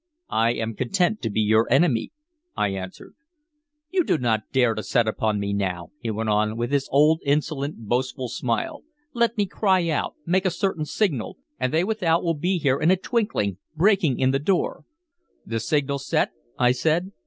"I am content to be your enemy," I answered. "You do not dare to set upon me now," he went on, with his old insolent, boastful smile. "Let me cry out, make a certain signal, and they without will be here in a twinkling, breaking in the door" "The signal set?" I said.